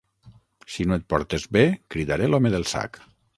Si no et portes bé cridaré l'home del sac.